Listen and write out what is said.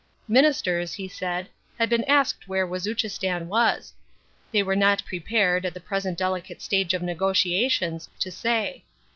Ministers, he said, had been asked where Wazuchistan was. They were not prepared, at the present delicate stage of negotiations, to say.